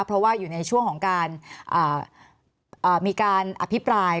เพราะว่าอยู่ในช่วงของการมีการอภิปราย